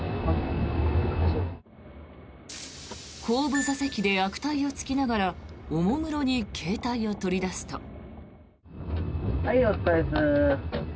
後部座席で悪態をつきながらおもむろに携帯を取り出すと。